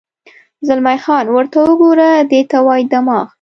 زلمی خان: ورته وګوره، دې ته وایي دماغ.